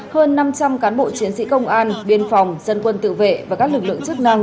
hơn năm trăm linh cán bộ chiến sĩ công an biên phòng dân quân tự vệ và các lực lượng chức năng